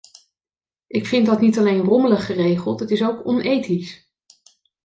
Ik vind dat niet alleen rommelig geregeld; het is ook onethisch.